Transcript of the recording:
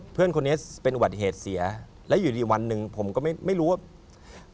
เพื่อนคนนี้เป็นอุบัติเหตุเสียแล้วอยู่ดีวันหนึ่งผมก็ไม่รู้ว่า